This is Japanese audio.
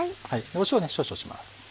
塩少々します。